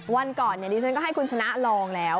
วันก่อนดิฉันก็ให้คุณชนะลองแล้ว